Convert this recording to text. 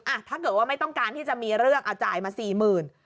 ถ้าเกิดว่าไม่ต้องการที่จะมีเรื่องเอาจ่ายมาสี่หมื่น